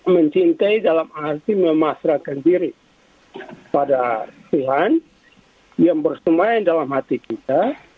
mencintai dalam arti memasrakan diri pada tuhan yang bersemain dalam hati kita